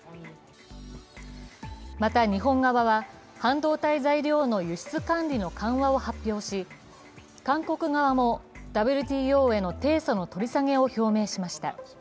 また日本側は半導体材料の輸出管理の緩和を発表し韓国側はＷＴＯへの提訴の取り下げを表明しました。